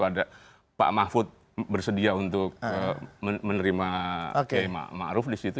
ada pak mahfud bersedia untuk menerima ya ma'ruf disitu